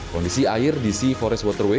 kondisi air di sea forest waterway